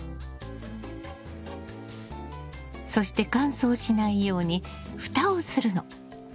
そして乾燥しないように蓋をするの。